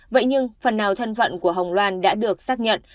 vậy nhưng phần nào thân vận của hồng loan đã được xác nhận